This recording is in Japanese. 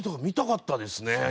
見たかったですね